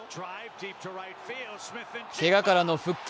けがからの復帰